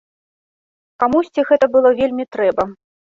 Камусьці гэта было вельмі трэба.